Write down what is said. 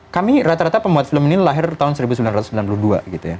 kami rata rata pembuat film ini lahir tahun seribu sembilan ratus sembilan puluh dua gitu ya